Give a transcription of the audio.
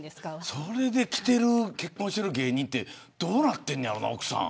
それができてる結婚してる芸人はどうなってるんやろな、奥さん。